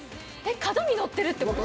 角に乗ってるってこと？